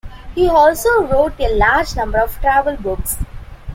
He also wrote a large number of travel books.